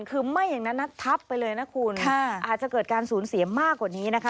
คือไม่อย่างนั้นนะทับไปเลยนะคุณอาจจะเกิดการสูญเสียมากกว่านี้นะคะ